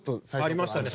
ありましたね